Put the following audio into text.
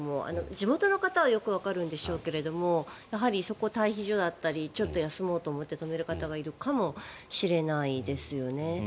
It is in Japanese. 地元の方はよくわかるんでしょうけど待避所だったりちょっと休もうと思って止める方がいるかもしれないですよね。